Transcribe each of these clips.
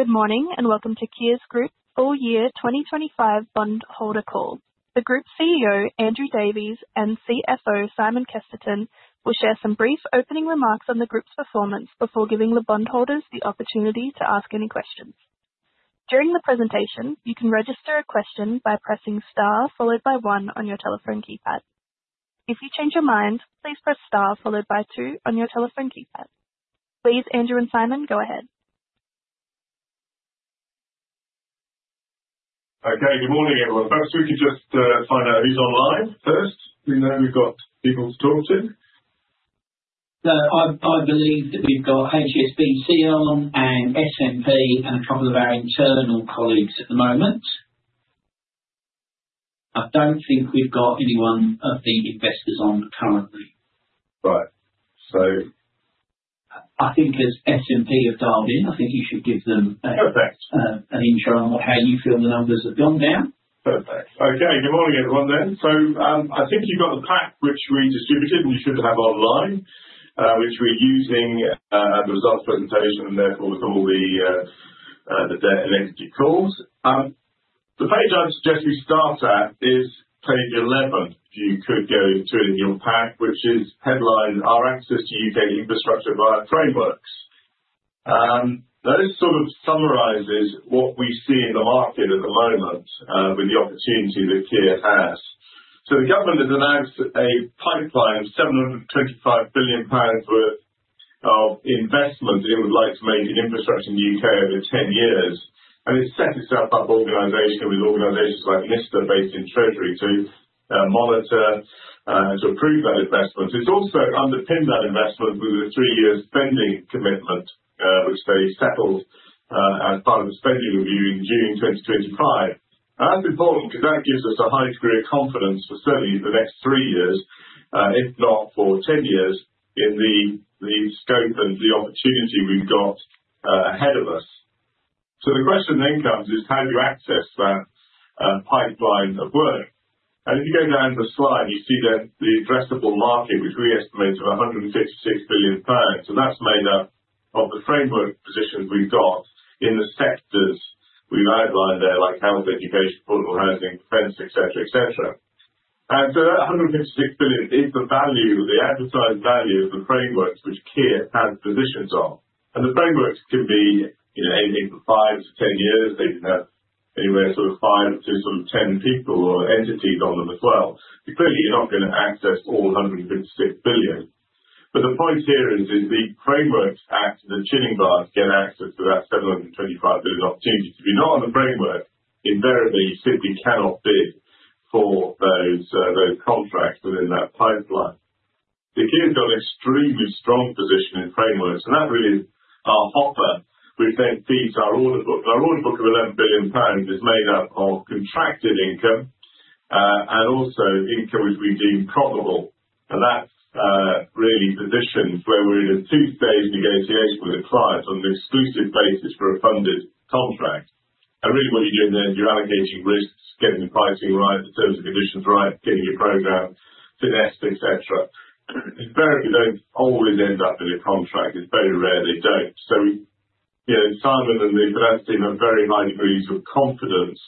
Good morning and welcome to Kier Group's full-year 2025 bondholder call. The Group CEO, Andrew Davies, and CFO, Simon Kesterton, will share some brief opening remarks on the Group's performance before giving the bondholders the opportunity to ask any questions. During the presentation, you can register a question by pressing star followed by one on your telephone keypad. If you change your mind, please press star followed by two on your telephone keypad. Please, Andrew and Simon, go ahead. Okay, good morning everyone. First, we could just find out who's online first. We know we've got people to talk to. No, I believe that we've got HSBC on and S&P and a couple of our internal colleagues at the moment. I don't think we've got anyone of the investors on currently. Right, so. As S&P have dialed in, you should give them an assurance on how you feel the numbers have gone down. Perfect. Okay, good morning everyone then. You've got the pack which we distributed and you should have online, which we're using at the results presentation and therefore with all the debt and equity calls. The page I'd suggest we start at is page 11, if you could go to it in your pack, which is headlined "Our Access to U.K. Infrastructure Via Frameworks." That sort of summarizes what we see in the market at the moment with the opportunity that Kier has. The government has announced a pipeline of £725 billion worth of investment that it would like to make in infrastructure in the U.K. over 10 years. It's set itself up organizationally with organizations like NISTA based in Treasury to monitor, to approve that investment. It's also underpinned that investment with a three-year spending commitment, which they settled as part of the Spending Review in June 2025. That's important because that gives us a high degree of confidence for certainly the next three years, if not for 10 years, in the scope and the opportunity we've got ahead of us. The question then comes is, how do you access that pipeline of work? And if you go down to the slide, you see the addressable market, which we estimate to be 156 billion pounds. That's made up of the framework positions we've got in the sectors we've outlined there, like health, education, postal, housing defense, et cetera. That 156 billion is the value, the advertised value of the frameworks which Kier has positions on. And the frameworks can be anything from 5 to 10 years. They can have anywhere sort of five to sort of 10 people or entities on them as well. Clearly, you're not going to access all 156 billion, but the point here is the frameworks act as a chinning bar to get access to that 725 billion opportunity. If you're not on the framework, invariably you simply cannot bid for those contracts within that pipeline. Kier has got an extremely strong position in frameworks, and that really is our hopper which then feeds our order book. Our order book of 11 billion pounds is made up of contracted income and also income which we deem profitable, and that's really positions where we're in a two-stage negotiation with a client on an exclusive basis for a funded contract, and really what you're doing there is you're allocating risks, getting the pricing right, the terms and conditions right, getting your program finessed, et cetera. Invariably, they don't always end up in a contract. It's very rare they don't. Simon and the finance team have very high degrees of confidence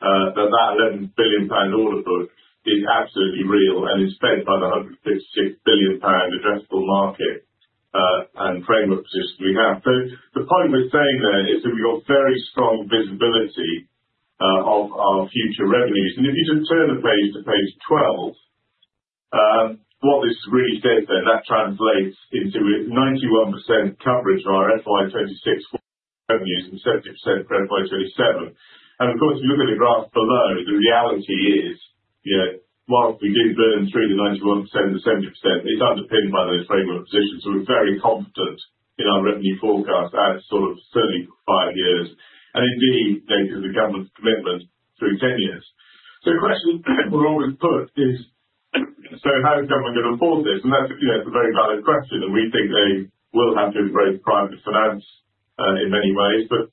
that that 11 billion pound order book is absolutely real and is fed by the 156 billion pound addressable market and framework positions we have. So the point we're saying there is that we've got very strong visibility of our future revenues. If you just turn the page to page 12, what this really says there, that translates into 91% coverage of our FY26 revenues and 70% for FY27. If you look at the graph below, the reality is, whilst we did burn through the 91% and the 70%, it's underpinned by those framework positions. So we're very confident in our revenue forecast as sort of certainly for five years. Indeed, there's a government commitment through 10 years. The question we're always asked is, how is government going to afford this? And that's a very valid question. They will have to embrace private finance in many ways. But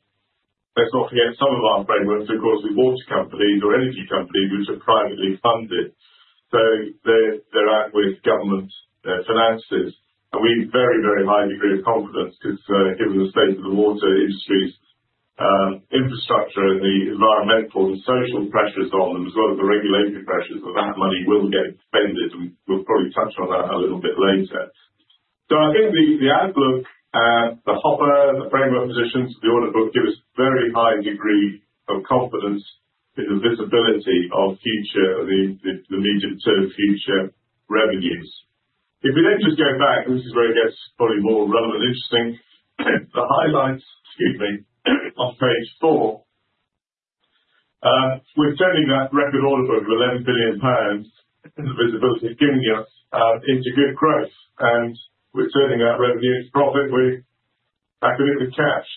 let's not forget some of our frameworks, of course, with water companies or energy companies which are privately funded. They're out of government finances. And we've a very, very high degree of confidence because given the state of the water industries, infrastructure, and the environmental and social pressures on them, as well as the regulatory pressures that that money will get expended. We'll probably touch on that a little bit later. The outlook, the hopper, the framework positions, the order book give us a very high degree of confidence in the visibility of future, the medium-term future revenues. If we then just go back, and this is where it gets probably more relevant and interesting, the highlights, excuse me, on page four. We're turning that record order book of £11 billion and the visibility it's giving us into good growth, and we're turning that revenue into profit with, I think, with cash.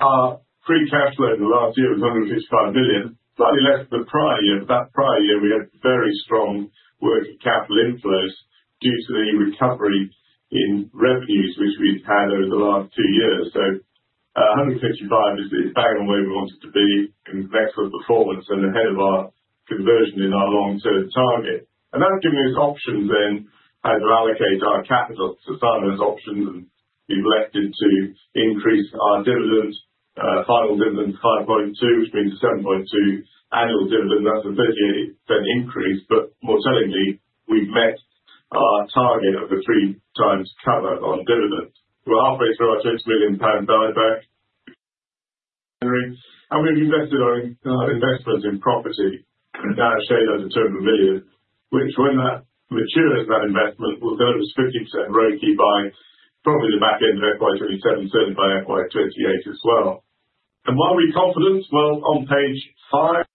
Our free cash flow the last year was £155 million, slightly less than the prior year, but that prior year, we had very strong working capital inflows due to the recovery in revenues which we've had over the last two years. £155 million is bang on where we want it to be, an excellent performance and ahead of our conversion in our long-term target, and that's given us options then how to allocate our capital. Simon has options, and we've left it to increase our dividend, final dividend to 5.2, which means a 7.2 annual dividend. That's a 38% increase. More tellingly, we've met our target of the three times cover on dividend. We're halfway through our £20 million buyback. We've invested our investment in property, now shared over £200 million, which when that matures, that investment will deliver us 50% royalty by probably the back end of FY27, certainly by FY28 as well. Why are we confident? Well, on page five,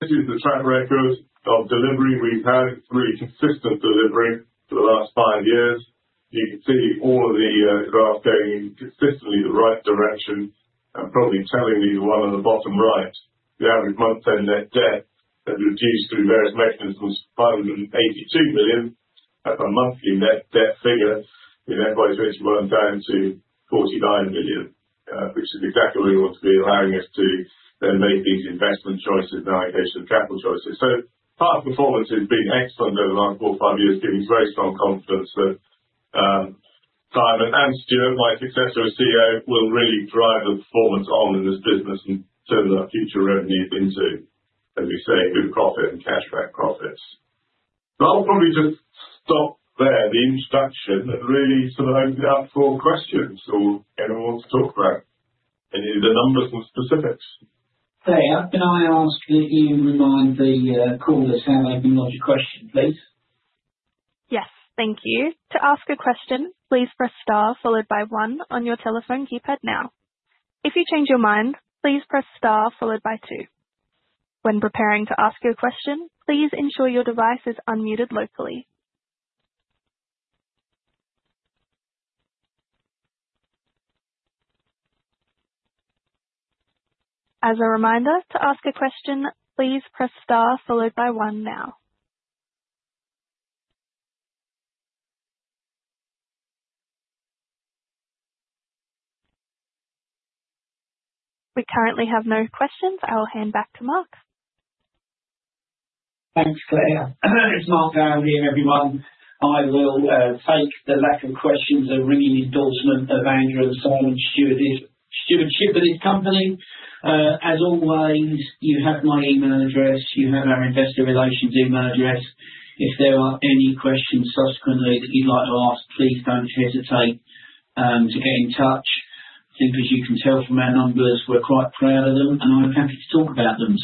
this is the track record of delivery. We've had really consistent delivery for the last five years. You can see all of the graphs going consistently the right direction and probably telling you the one on the bottom right, the average month-end net debt has reduced through various mechanisms to £582 million. That's our monthly net debt figure in FY21 down to 49 million, which is exactly where we want to be, allowing us to then make these investment choices and allocation of capital choices. So our performance has been excellent over the last four or five years, giving us very strong confidence that Simon and Stuart, my successor as CEO, will really drive the performance on in this business and turn our future revenues into, as we say, good profit and cashback profits. I'll probably just stop there, the introduction, and really sort of open it up for questions or anyone wants to talk about any of the numbers and specifics. Okay, I can ask if you remind the callers how they can lodge a question, please. Yes, thank you. To ask a question, please press star followed by one on your telephone keypad now. If you change your mind, please press star followed by two. When preparing to ask your question, please ensure your device is unmuted locally. As a reminder, to ask a question, please press star followed by one now. We currently have no questions. I will hand back to Mark. Thanks, Clare. It's Mark Downey, everyone. I will take the lack of questions and ringing endorsement of Andrew, Simon, and Stuart's company. As always, you have my email address. You have our investor relations email address. If there are any questions subsequently that you'd like to ask, please don't hesitate to get in touch. I think, as you can tell from our numbers, we're quite proud of them, and I'm happy to talk about them.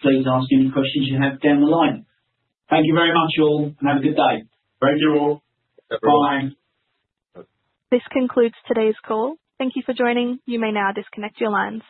Please ask any questions you have down the line. Thank you very much all, and have a good day. Thank you all. This concludes today's call. Thank you for joining. You may now disconnect your lines.